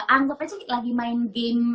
anggap aja lagi main game